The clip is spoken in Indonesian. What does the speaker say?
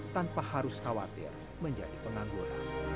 tanpa harus khawatir menjadi pengangguran